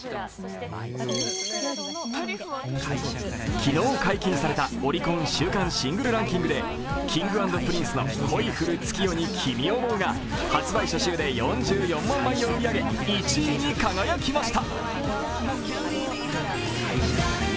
昨日、解禁されたオリコン週間シングルランキングでＫｉｎｇ＆Ｐｒｉｎｃｅの「恋降る月夜に君想ふ」が発売初週で４４万枚を売り上げ、１位に輝きました。